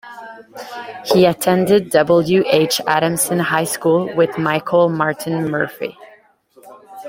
He attended W. H. Adamson High School with Michael Martin Murphey.